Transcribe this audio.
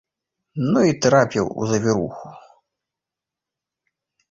Ну і трапіў у завіруху!